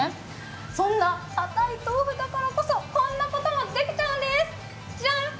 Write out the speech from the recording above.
そんなかたい豆腐だからこそ、こんなこともできちゃうんです